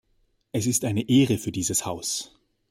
Es ist eine Ehre für dieses Haus.